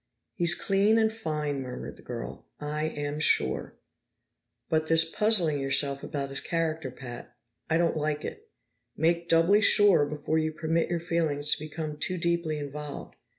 "He's clean and fine," murmured the girl. "I am sure." "But this puzzling yourself about his character, Pat I don't like it. Make doubly sure before you permit your feelings to become too deeply involved.